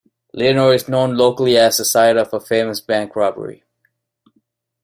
Leonore is known locally as the site of a famous bank robbery.